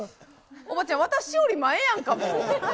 おばちゃん、私より前やんか、もう。